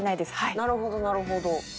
なるほどなるほど。